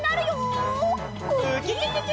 ウキキキ！